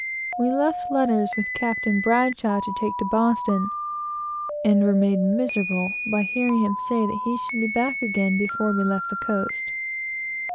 We left letters with Captain Bradshaw to take to Boston, and had the satisfaction of hearing him say that he should be back again before we left the coast.